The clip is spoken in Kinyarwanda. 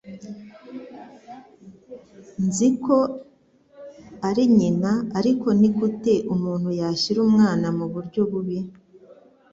Nzi ko ari nyina, ariko nigute umuntu yashyira umwana muburyo bubi?